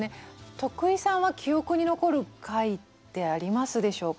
徳井さんは記憶に残る回ってありますでしょうか？